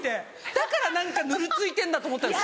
だから何かぬるついてるんだと思ったんです